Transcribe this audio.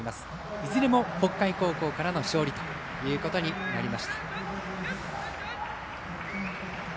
いずれも北海高校からの勝利ということになりました。